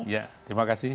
iya terima kasih